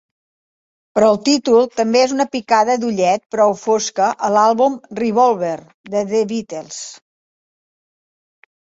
Però el títol també és una picada d'ullet prou fosca a l'àlbum "Revolver" de The Beatles.